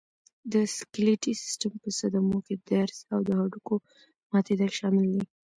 د سکلېټي سیستم په صدمو کې درز او د هډوکو ماتېدل شامل دي.